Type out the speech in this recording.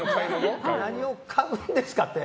何を買うんですかって。